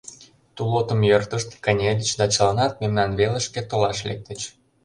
Тулотым йӧртышт, кынельыч да чыланат мемнан велышке толаш лектыч.